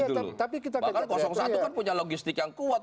bahkan satu kan punya logistik yang kuat